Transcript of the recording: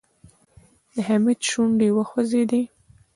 د حميد شونډې وخوځېدې.